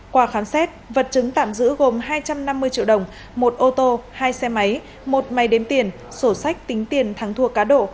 qua khám xét vật chứng tạm giữ gồm hai trăm năm mươi triệu đồng một ô tô hai xe máy một máy đếm tiền sổ sách tính tiền thắng thua cá độ